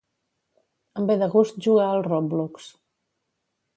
Em ve de gust jugar al "Roblox".